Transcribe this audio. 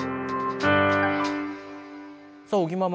さあ尾木ママ